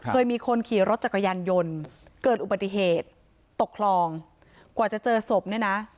เคยมีคนขี่รถจักรยานยนต์เกิดอุบัติเหตุตกคลองกว่าจะเจอศพเนี่ยนะ